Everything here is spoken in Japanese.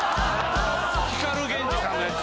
光ＧＥＮＪＩさんのやつ。